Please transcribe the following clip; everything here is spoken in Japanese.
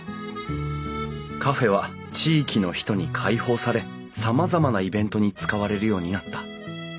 カフェは地域の人に開放されさまざまなイベントに使われるようになった。